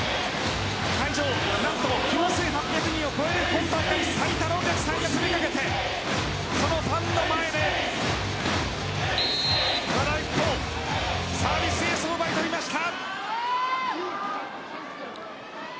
会場には９８００人を超える最多のお客さんが駆けつけてそのファンの前で和田由紀子、サービスエースを奪い取りました！